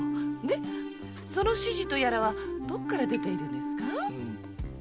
その指示とやらはどこから出ているんですか？